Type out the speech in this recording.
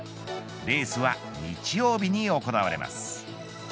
レースは日曜日に行われます。